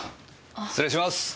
失礼します！